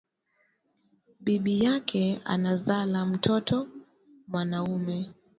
Bibiyake anazala mtoto mwanaume